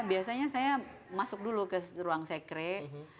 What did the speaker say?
biasanya saya masuk dulu ke ruang sekret